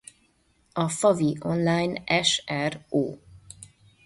A Favi online s.r.o.